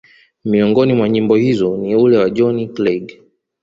miongoni mwa nyimbo hizo ni ule wa Johnny Clegg